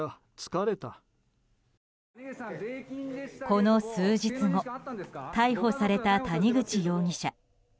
この数日後、逮捕された谷口容疑者。